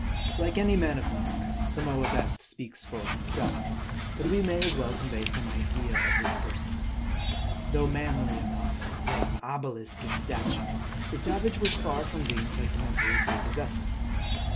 Like any man of mark, Samoa best speaks for himself; but we may as well convey some idea of his person. Though manly enough, nay, an obelisk in stature, the savage was far from being sentimentally prepossessing.